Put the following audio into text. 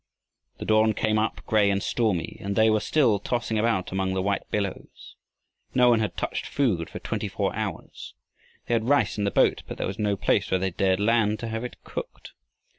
The dawn came up gray and stormy, and they were still tossing about among the white billows. No one had touched food for twenty four hours. They had rice in the boat, but there was no place where they dared land to have it cooked.